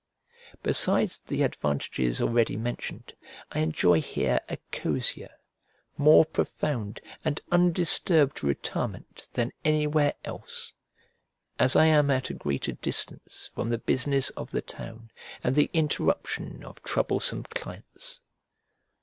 Besides the advantages already mentioned, I enjoy here a cozier, more profound and undisturbed retirement than anywhere else, as I am at a greater distance from the business of the town and the interruption of troublesome clients.